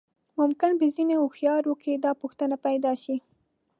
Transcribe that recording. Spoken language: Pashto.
ممکن په ځينې هوښيارو کې دا پوښتنه پيدا شي.